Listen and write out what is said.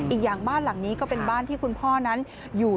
อีกอย่างบ้านหลังนี้ก็เป็นบ้านที่คุณพ่อนั้นอยู่